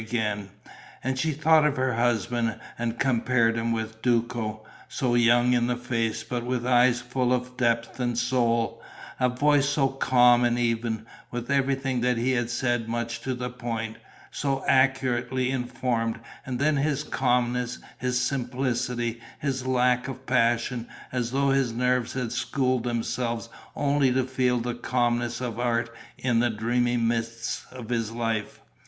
And she thought of her husband and compared him with Duco, so young in the face but with eyes full of depth and soul, a voice so calm and even, with everything that he said much to the point, so accurately informed; and then his calmness, his simplicity, his lack of passion, as though his nerves had schooled themselves only to feel the calmness of art in the dreamy mist of his life.